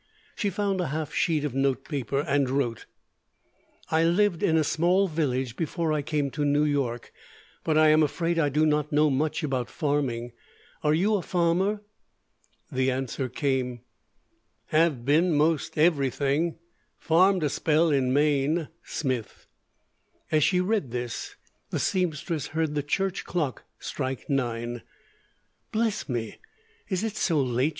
She found a half sheet of note paper, and wrote: _I lived in a small village before I came to New York, but I am afraid I do not know much about farming. Are you a farmer?_ The answer came: have ben most Every thing farmed a Spel in Maine Smith As she read this, the seamstress heard the church clock strike nine. "Bless me, is it so late?"